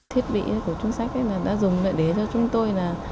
thiết bị của trung sách đã dùng để cho chúng tôi